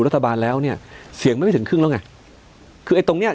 รัฐบาลแล้วเนี่ยเสียงมันไม่ถึงครึ่งแล้วไงคือไอ้ตรงเนี้ย